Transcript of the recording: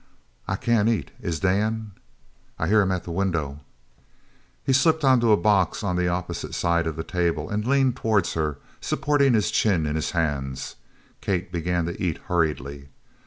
"I can't eat. Is Dan " "I hear 'em at the window!" He slipped onto a box on the opposite side of the table and leaned towards her, supporting his chin in his hands. Kate began to eat hurriedly.